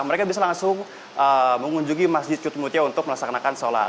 mereka bisa langsung mengunjungi masjid cutmutia untuk melaksanakan sholat